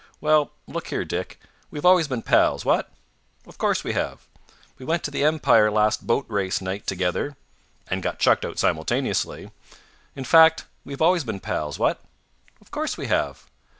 "Well, look here, Dick, we've always been pals. What?" "Of course we have." "We went to the Empire last Boatrace night together " "And got chucked out simultaneously." "In fact, we've always been pals. What?" "Of course we have."